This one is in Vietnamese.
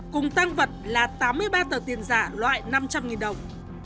cùng tăng vật là tám mươi ba tờ tiền giả loại năm trăm linh đồng